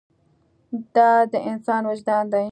دا د انسان وجدان دی.